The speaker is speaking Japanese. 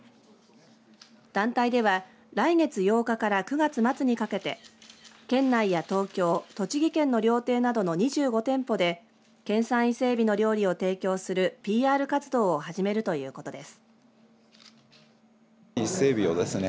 団体では来月８日から９月末にかけて県内や東京、栃木県の料亭などの２５店舗で県産伊勢えびの料理を提供するＰＲ活動を始めるということです。